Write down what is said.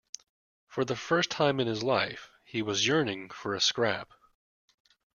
For the first time in his life he was yearning for a scrap.